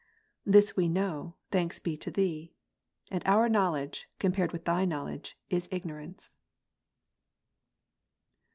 This we know, thanks be to Thee. And our knowledge, com pared with Thy knowledge, is ignorance.